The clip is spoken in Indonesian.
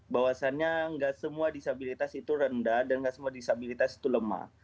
bahwasannya nggak semua disabilitas itu rendah dan nggak semua disabilitas itu lemah